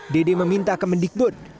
dede meminta ke mendikbud